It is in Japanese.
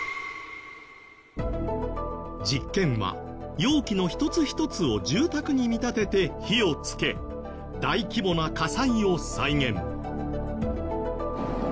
実験は容器の１つ１つを住宅に見立てて火をつけ大規模な火災を再現。